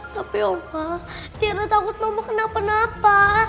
tapi oma tiara takut ma mau kenapa napa